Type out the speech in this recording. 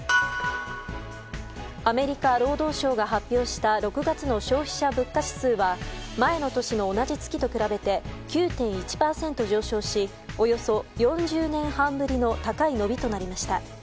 アメリカ労働省が発表した６月の消費者物価指数は前の年の同じ月と比べて９．１％上昇しおよそ４０年半ぶりの高い伸びとなりました。